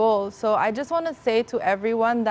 karena jika anda memutuskan diri anda